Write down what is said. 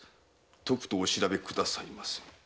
とくとお調べくださいませ」